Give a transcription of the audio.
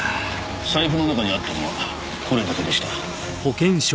財布の中にあったのはこれだけでした。